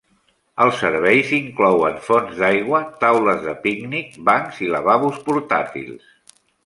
Els serveis inclouen fonts d"aigua, taules de pícnic, bancs i lavabos portàtils.